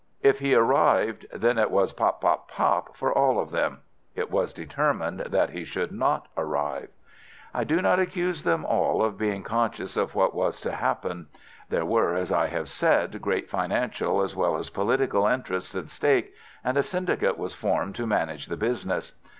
If he arrived, then it was pop, pop, pop for all of them. It was determined that he should not arrive. "I do not accuse them all of being conscious of what was to happen. There were, as I have said, great financial as well as political interests at stake, and a syndicate was formed to manage the business.